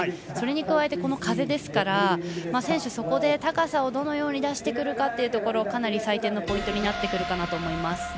それに加えてこの風ですから選手、そこで高さをどのように出してくるかがかなり採点のポイントになるかなと思います。